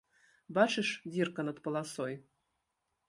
Бачыш, дзірка над паласой?